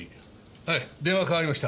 はい電話代わりました。